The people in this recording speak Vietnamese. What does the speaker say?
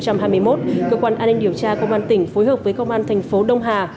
cơ quan an ninh điều tra công an tỉnh phối hợp với công an thành phố đông hà